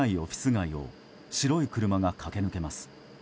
街を白い車が駆け抜けます。